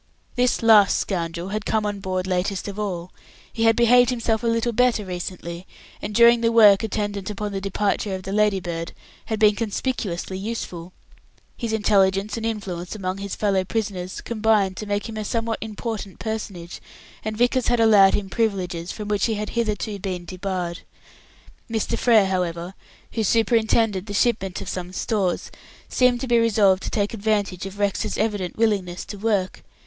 This last scoundrel had come on board latest of all. He had behaved himself a little better recently, and during the work attendant upon the departure of the Ladybird, had been conspicuously useful. His intelligence and influence among his fellow prisoners combined to make him a somewhat important personage, and Vickers had allowed him privileges from which he had been hitherto debarred. Mr. Frere, however, who superintended the shipment of some stores, seemed to be resolved to take advantage of Rex's evident willingness to work.